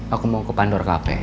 aku mau ke pandora cafe